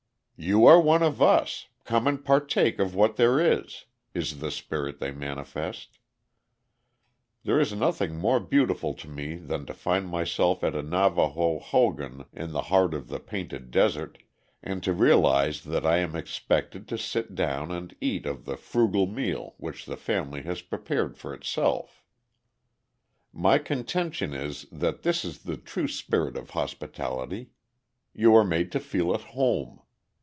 "You are one of us. Come and partake of what there is!" is the spirit they manifest. There is nothing more beautiful to me than to find myself at a Navaho hogan in the heart of the Painted Desert, and to realize that I am expected to sit down and eat of the frugal meal which the family has prepared for itself. [Illustration: HOPI INDIANS COOKING CORN IN AN UNDERGROUND OVEN.] My contention is, that this is the true spirit of hospitality. You are made to feel at home.